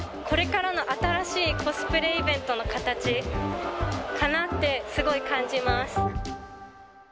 これからの新しいコスプレイベントの形かなって、すごい感じます。